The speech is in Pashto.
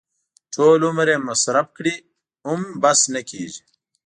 ټول عمر یې مصرف کړي هم بس نه کېږي.